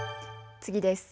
次です。